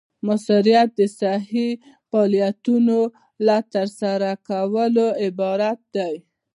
مؤثریت د صحیح فعالیتونو له ترسره کولو عبارت دی.